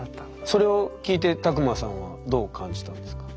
それを聞いて卓馬さんはどう感じたんですか？